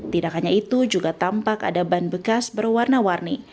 tidak hanya itu juga tampak ada ban bekas berwarna warni